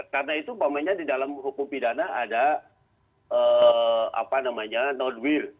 karena itu di dalam hukum pidana ada non will